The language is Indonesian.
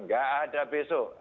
nggak ada besok